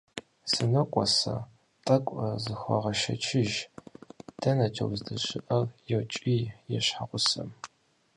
- СынокӀуэ сэ, тӀэкӀу зыхуэгъэшэчыж, дэнэкӀэ уздэщыӀэр? - йокӀий и щхьэгъусэм.